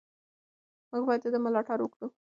موږ باید د ده ملاتړ وکړو.